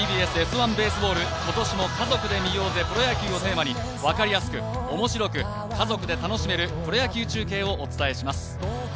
ＴＢＳ「Ｓ☆１ベースボール」、今年も「家族で観ようぜプロ野球」をテーマに分かりやすく面白く家族で楽しめるプロ野球中継をお伝えします。